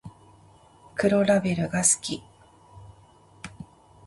黒ラベルが好き